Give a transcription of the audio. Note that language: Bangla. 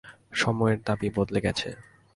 সময়ের দাবি বদলে গেছে।